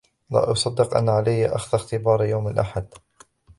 لا أصدق أن عليّ أخذ اختبار يوم الأحد!